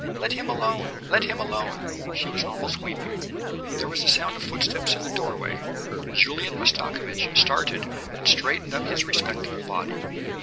"Let him alone! Let him alone!" She was almost weeping. There was a sound of footsteps in the doorway. Julian Mastakovich started and straightened up his respectable body.